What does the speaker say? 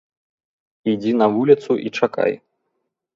Ідзі на вуліцу і чакай!